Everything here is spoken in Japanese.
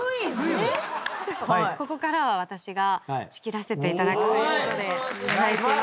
ここからは私が仕切らせていただくということで。